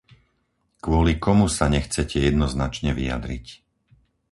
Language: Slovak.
Kvôli komu sa nechcete jednoznačne vyjadriť?